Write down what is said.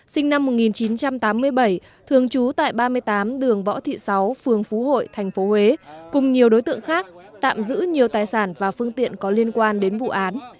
sinh năm một nghìn chín trăm tám mươi bảy thường trú tại ba mươi tám đường võ thị sáu phường phú hội tp huế cùng nhiều đối tượng khác tạm giữ nhiều tài sản và phương tiện có liên quan đến vụ án